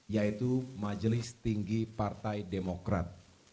yaitu majelis tinggi partai demokrat